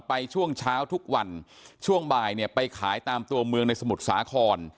ช่วงเช้าทุกวันช่วงบ่ายเนี่ยไปขายตามตัวเมืองในสมุทรสาคร